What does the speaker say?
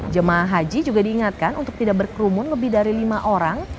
jemaah haji juga diingatkan untuk tidak berkerumun lebih dari lima orang